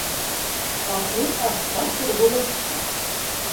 Татыу аш татлы булыр.